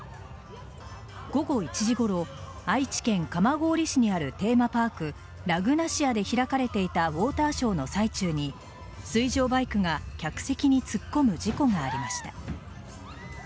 午後１時ごろ愛知県蒲郡市にあるテーマパークラグナシアで開かれていたウオーターショーの最中に水上バイクが客席に突っ込む事故がありました。